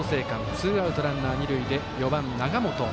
ツーアウト、ランナー、二塁で４番、永本。